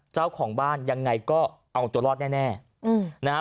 เจ้าของบ้านยังไงก็เอาตัวรอดแน่นะฮะ